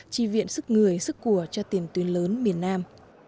chi viện sức người sức của cho tiền tuyến lớn miền nam